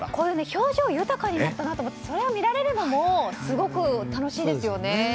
表情豊かになったなと思ってそれを見られるのもすごく楽しいですよね。